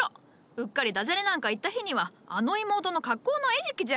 うっかりダジャレなんか言った日にはあの妹の格好の餌食じゃ！